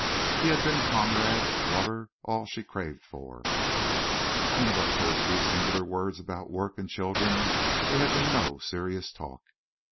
He had been comrade, lover, all she craved for. And but for his few singular words about work and children there had been no serious talk.